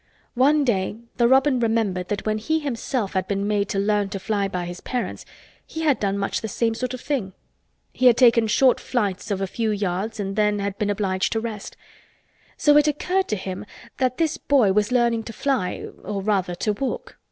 One day the robin remembered that when he himself had been made to learn to fly by his parents he had done much the same sort of thing. He had taken short flights of a few yards and then had been obliged to rest. So it occurred to him that this boy was learning to fly—or rather to walk.